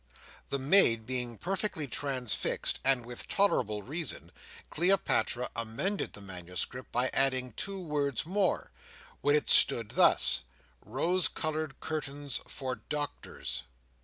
The maid being perfectly transfixed, and with tolerable reason, Cleopatra amended the manuscript by adding two words more, when it stood thus: "Rose coloured curtains for doctors."